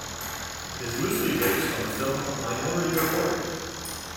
It is loosely based on the film "Minority Report".